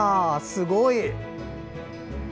すごい！